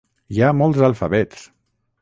Hi ha molts alfabets!